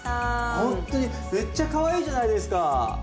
ほんっとにめっちゃかわいいじゃないですか！